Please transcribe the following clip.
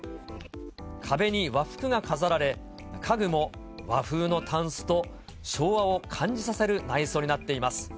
壁に和服が飾られ、家具も和風のたんすと昭和を感じさせる内装になっています。